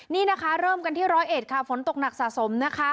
นี่นะคะเริ่มกันที่ร้อยเอ็ดค่ะฝนตกหนักสะสมนะคะ